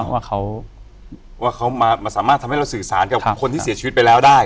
ว่าเขาสามารถทำให้เราสื่อสารกับคนที่เสียชีวิตไปแล้วได้